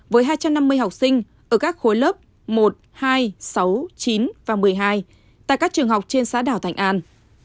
với hai trăm năm mươi học sinh ở các khối lớp một hai sáu chín và một mươi hai tại các trường học trên xã đảo thành an